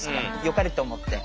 よかれと思って。